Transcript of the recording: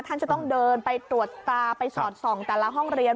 ท่านจะต้องเดินไปตรวจตราไปสอดส่องแต่ละห้องเรียน